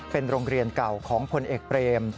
เป็นโรงเรียนเก่าของพลเอกเปรม